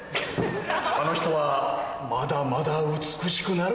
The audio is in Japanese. あの人はまだまだ美しくなる！